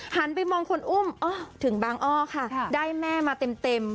หันไปมองคนอุ้มถึงบางอ้อค่ะได้แม่มาเต็ม